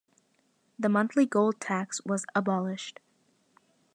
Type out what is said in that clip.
The monthly gold tax was abolished.